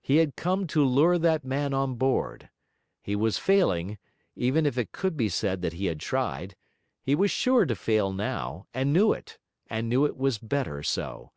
He had come to lure that man on board; he was failing, even if it could be said that he had tried; he was sure to fail now, and knew it, and knew it was better so.